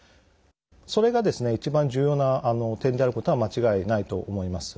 それが一番重要な点であることは間違いないと思います。